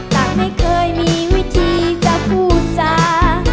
แต่ไม่เคยมีวิธีจะพูดจา